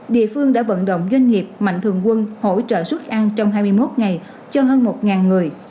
địa phương đã vận động doanh nghiệp mạnh thường quân hỗ trợ xuất ăn trong hai mươi một ngày cho hơn một người